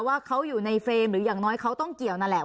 ว่าเขาอยู่ในเฟรมหรืออย่างน้อยเขาต้องเกี่ยวนั่นแหละ